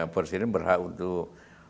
presiden berhak untuk